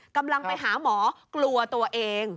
กำลังไปหาหมอกลัวตัวเอง